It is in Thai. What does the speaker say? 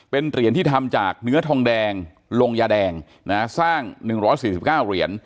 เป็นเหรียญที่ทำจากเนื้อทองแดงลงยาแดงนะฮะสร้างหนึ่งร้อยสี่สิบเก้าเหรียญ